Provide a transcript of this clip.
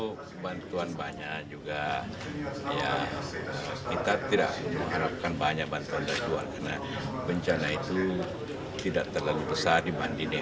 kita tidak mengharapkan banyak bantuan dari jepang karena bencana itu tidak terlalu besar dibandingin